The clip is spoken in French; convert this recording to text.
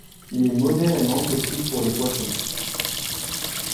Il est modérément toxique pour les poissons.